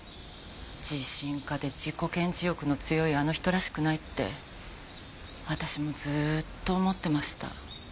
自信家で自己顕示欲の強いあの人らしくないって私もずっと思ってました。